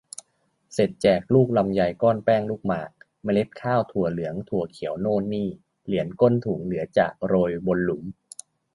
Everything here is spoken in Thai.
เสร็จแจก ลูกลำไย ก้อนแป้งลูกหมาก เมล็ดข้าวถั่วเหลืองถั่วเขียวโน่นนี่ เหรียญก้นถุง เหลือจากโรยบนหลุม